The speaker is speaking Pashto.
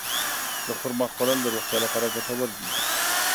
د خرما خوړل د روغتیا لپاره ګټور دي.